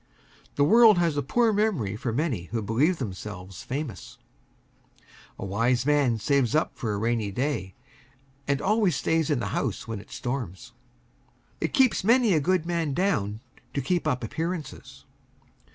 The world has a poor memory for many who believe themselves famous. The wise man saves up for a rainy day, and always stays in the house when it storms. It keeps many a good man down to keep up appearances.